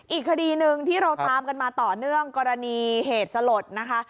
อีกคดีหนึ่งที่เราตามกันมาต่อเนื่องกรณีเหตุสลดนะคะ